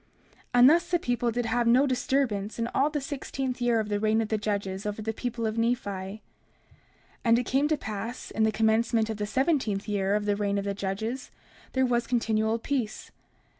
30:4 And thus the people did have no disturbance in all the sixteenth year of the reign of the judges over the people of Nephi. 30:5 And it came to pass that in the commencement of the seventeenth year of the reign of the judges, there was continual peace.